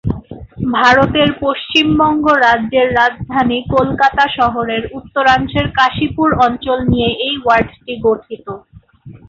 ভারতের পশ্চিমবঙ্গ রাজ্যের রাজধানী কলকাতা শহরের উত্তরাংশের কাশীপুর অঞ্চল নিয়ে এই ওয়ার্ডটি গঠিত।